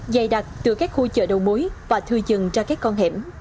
dày đặc từ khu chợ đầu múi và thư dừng ra các con hẻm